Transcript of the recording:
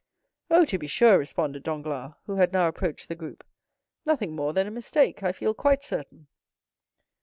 0075m "Oh, to be sure!" responded Danglars, who had now approached the group, "nothing more than a mistake, I feel quite certain."